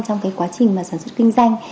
trong quá trình sản xuất kinh doanh